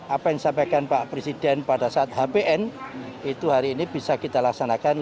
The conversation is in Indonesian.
apa yang sampaikan pak presiden pada saat hpn itu hari ini bisa kita laksanakan lima lima ratus dua belas